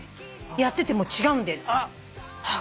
やってても違うんであっ